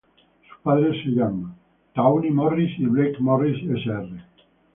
Sus padres se llaman Tawny Morris y Blake Morris Sr.